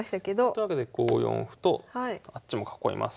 というわけで５四歩とあっちも囲います。